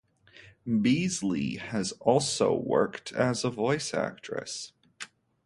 Beasley has also worked as a voice actress.